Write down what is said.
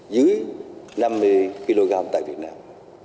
dưới năm mươi kg tại việt nam